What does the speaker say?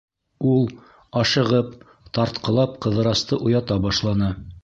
Ул, ашығып, тартҡылап Ҡыҙырасты уята башланы.